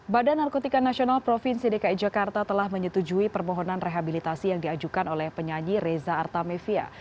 badan narkotika nasional provinsi dki jakarta telah menyetujui permohonan rehabilitasi yang diajukan oleh penyanyi reza artamevia